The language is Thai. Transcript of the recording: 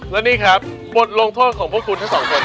และนี่ครับบทลงโทษของพวกคุณทั้งสองคน